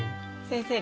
先生。